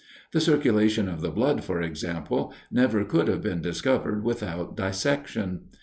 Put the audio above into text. The circulation of the blood, for example, never could have been discovered without dissection.